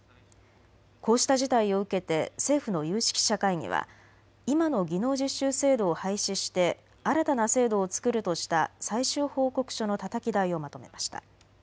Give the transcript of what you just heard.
こうした事態を受けて政府の有識者会議は今の技能実習制度を廃止して新たな制度を作るとした最終報告書のたたき台をまとめました。